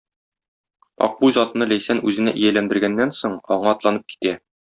Акбүз атны Ләйсән үзенә ияләндергәннән соң, аңа атланып китә.